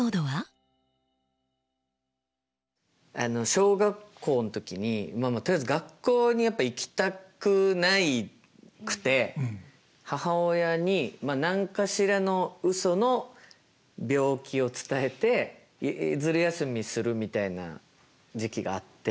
小学校の時にとりあえず学校にやっぱ行きたくなくて母親に何かしらのうその病気を伝えてずる休みするみたいな時期があって。